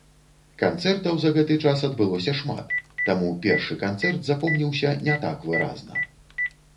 Канцэртаў за гэты час адбылося шмат, таму першы канцэрт запомніўся не так выразна.